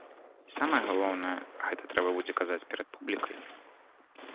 І самае галоўнае, гэта трэба будзе казаць перад публікай.